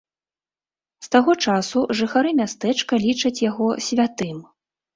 З таго часу жыхары мястэчка лічаць яго святым.